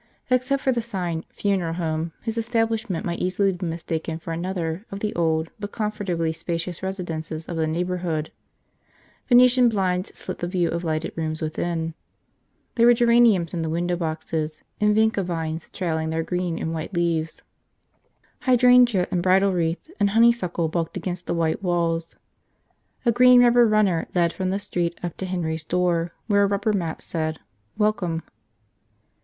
Except for the sign, Funeral Home, his establishment might easily be mistaken for another of the old but comfortably spacious residences of the neighborhood. Venetian blinds slit the view of lighted rooms within. There were geraniums in the window boxes with vinca vines trailing their green and white leaves. Hydrangea and bridal wreath and honeysuckle bulked against the white walls. A green rubber runner led from the street up to Henry's door where a rubber mat said Welcome.